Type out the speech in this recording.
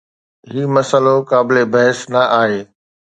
هي مسئلو قابل بحث نه آهي.